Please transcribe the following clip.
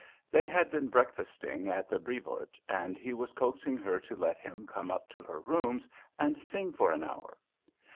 They had been breakfasting at the Brevoort and he was coaxing her to let him come up to her rooms and sing for an hour.